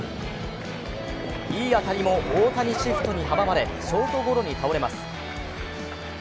いい当たりも大谷シフトに阻まれ、ショートゴロに倒れます。